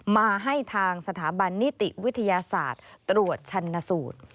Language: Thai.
มาให้ทางสถาบันนิติวิทยาศาสตร์ตรวจชันสูตร